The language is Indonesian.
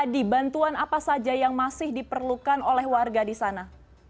di bantuan apa saja yang masih diperlukan oleh warga di sana